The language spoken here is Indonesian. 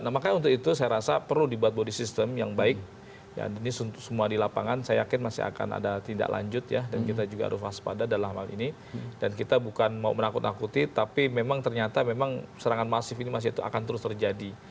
nah makanya untuk itu saya rasa perlu dibuat body system yang baik dan ini semua di lapangan saya yakin masih akan ada tindak lanjut ya dan kita juga harus waspada dalam hal ini dan kita bukan mau menakut nakuti tapi memang ternyata memang serangan masif ini masih akan terus terjadi